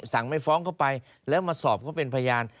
ไม่ฟ้องเข้าไปแล้วมาสอบเขาเป็นพยาน